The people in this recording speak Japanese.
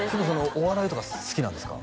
お笑いとか好きなんですか？